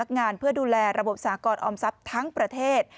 งานเพื่อดูแลระบบสากรออมทรัพย์ทั้งประเทศ